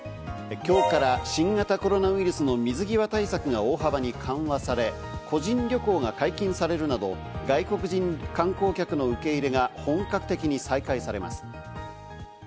今日から新型コロナウイルスの水際対策が大幅に緩和され、個人旅行が解禁されるなど、外国人観光客の受け入れが本格的に再開されます。